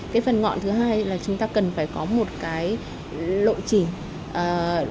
cái phần ngọn thứ hai là chúng ta cần phải có một cái lộ trình